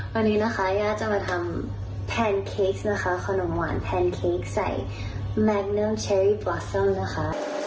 วันนี้นะคะย่าจะมาทำแพนเค้กนะคะขนมหวานแพนเค้กใส่แมคนิมเชอรี่บอสเตอร์นะคะ